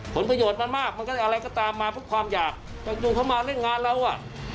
ผลประโยชน์มันมากมันก็อะไรก็ตามมาเพราะความอยากจริงเขามาเล่นงานเราอ่ะ